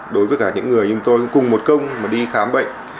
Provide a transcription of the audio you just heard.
đối với cả những người như tôi cùng một công mà đi khám bệnh